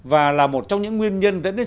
và là một trong những nguyên nhân dẫn đến